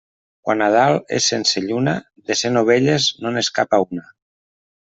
Quan Nadal és sense lluna, de cent ovelles no n'escapa una.